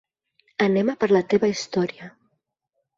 Anem a per la teva història.